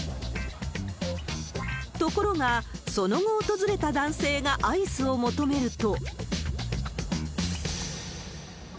ところが、その後、訪れた男性がアイスを求めると。